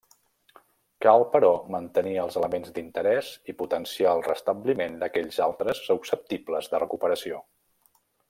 Cal però mantenir els elements d'interès i potenciar el restabliment d’aquells altres susceptibles de recuperació.